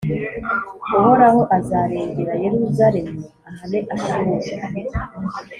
Uhoraho azarengera Yeruzalemu; ahane Ashuru